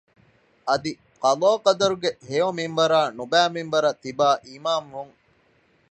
އަދި ޤަޟާ ޤަދަރުގެ ހެޔޮ މިންވަރާއި ނުބައި މިންވަރަށް ތިބާ އީމާން ވުން